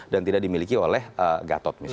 dan tidak dimiliki oleh gatot